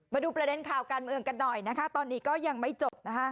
มาดูประเด็นข่าวการเมืองกันหน่อยนะคะตอนนี้ก็ยังไม่จบนะคะ